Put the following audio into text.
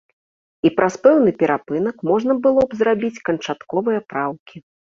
І праз пэўны перапынак можна было б зрабіць канчатковыя праўкі.